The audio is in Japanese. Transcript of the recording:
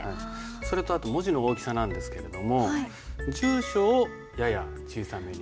それとあと文字の大きさなんですけれども住所をやや小さめに。